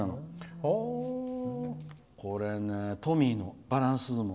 これね、トミーのバランス相撲。